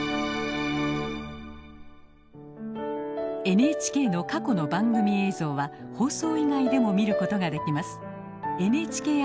ＮＨＫの過去の番組映像は放送以外でも見ることができます